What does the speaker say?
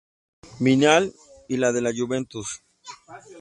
Milan y la de la Juventus.